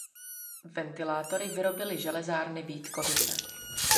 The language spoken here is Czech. Ventilátory vyrobily Železárny Vítkovice.